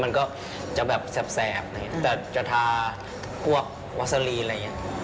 มันก็จะแบบแสบแต่จะทาพวกวัสลีอะไรอย่างนี้